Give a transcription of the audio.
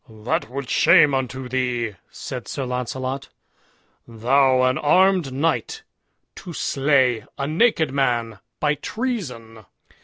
"That were shame unto thee," said Sir Launcelot; "thou an armed knight to slay a naked man by treason."